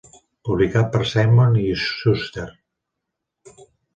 Publicat per Simon i Schuster.